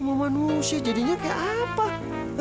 sama manusia jadinya kayak apa